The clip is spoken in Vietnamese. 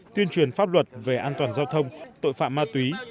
tuyên truyền pháp luật về an toàn giao thông tội phạm ma túy